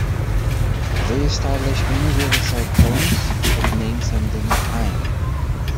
They established many riverside towns with names ending in "-heim".